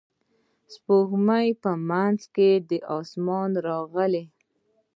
سپوږمۍ په منځ د اسمان راغله.